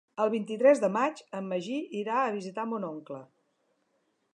El vint-i-tres de maig en Magí irà a visitar mon oncle.